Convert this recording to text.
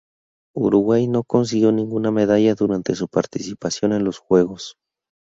Uruguay no consiguió ninguna medalla durante su participación en los Juegos.